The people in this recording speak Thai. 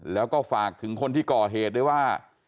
แล้วก็ฝากถึงคนที่ก่อเหตุด้วยว่า